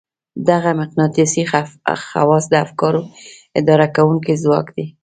دغه مقناطيسي خواص د افکارو اداره کوونکی ځواک دی.